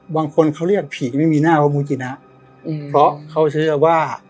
บางคนเขาเรียกผีไม่มีหน้าว่ามูลกิจนะเพราะเขาเชื่อว่า